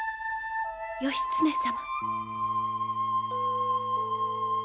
義経様。